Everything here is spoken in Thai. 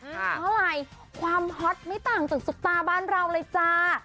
เพราะอะไรความฮอตไม่ต่างจากซุปตาบ้านเราเลยจ้า